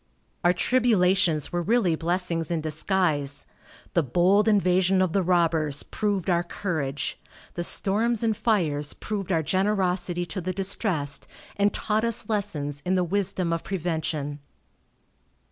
Our tribulations were really blessings in disguise. The bold invasion of the robbers proved our courage; the storms and fires proved our generosity to the distressed, and taught us lessons in the wisdom of prevention.